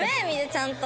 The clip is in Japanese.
ちゃんと。